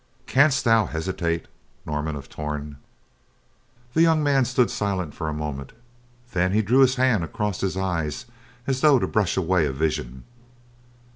Canst thou hesitate, Norman of Torn?" The young man stood silent for a moment, then he drew his hand across his eyes as though to brush away a vision.